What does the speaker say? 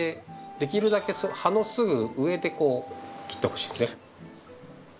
できるだけ葉のすぐ上でこう切ってほしいですね。